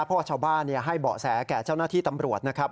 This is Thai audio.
เพราะว่าชาวบ้านให้เบาะแสแก่เจ้าหน้าที่ตำรวจนะครับ